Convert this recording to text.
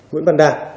nguyễn văn đạt